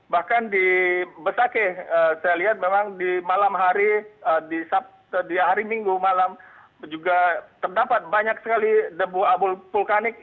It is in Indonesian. bahkan di besakeh saya lihat memang di malam hari di hari minggu malam juga terdapat banyak sekali debu abu vulkanik